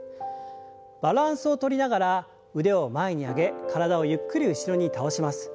バランスをとりながら腕を前に上げ体をゆっくり後ろに倒します。